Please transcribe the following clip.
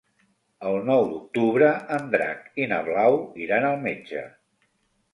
El nou d'octubre en Drac i na Blau iran al metge.